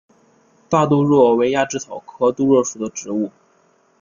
大杜若为鸭跖草科杜若属的植物。